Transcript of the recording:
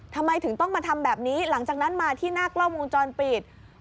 ทำไมถึงต้องมาทำแบบนี้หลังจากนั้นมาที่หน้ากล้องวงจรปิด